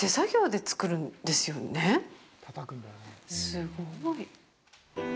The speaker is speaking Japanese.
すごい。